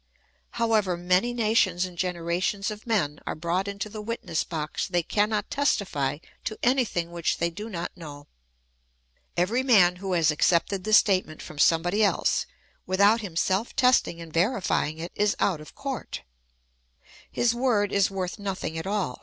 However many nations and generations of men are brought into the witness box, they cannot testify to anything which they do not know. Every man who has accepted the statement from somebody else, without himself testing and veriiying it, is out of court ; his word is worth nothing at all.